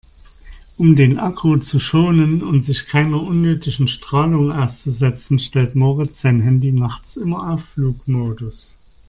Um den Akku zu schonen und sich keiner unnötigen Strahlung auszusetzen, stellt Moritz sein Handy nachts immer auf Flugmodus.